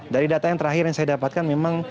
dari data yang terakhir yang saya dapatkan memang